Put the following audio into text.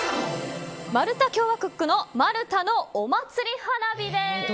マルタ共和国のマルタのお祭り花火です。